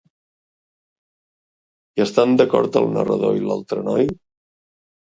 Hi estan d'acord el narrador i l'altre noi?